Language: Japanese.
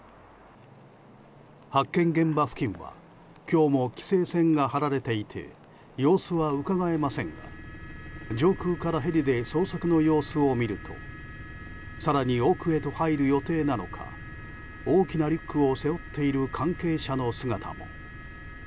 発見現場付近は今日も規制線が張られていて様子はうかがえませんが上空からヘリで捜索の様子を見ると更に奥へと入る予定なのか大きなリュックを背負っている関係者の姿も。